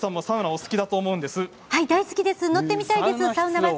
大好きです